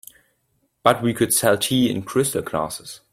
But we could sell tea in crystal glasses.